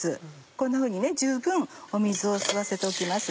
こんなふうに十分水を吸わせておきます。